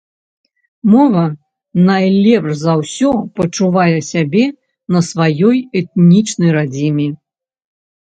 Мова найлепш за ўсё пачувае сябе на сваёй этнічнай радзіме.